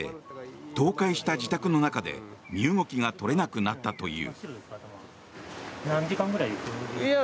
倒壊した自宅の中で身動きが取れなくなったという。